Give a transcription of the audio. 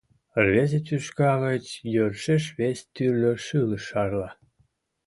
Рвезе тӱшка гыч йӧршеш вес тӱрлӧ шӱлыш шарла.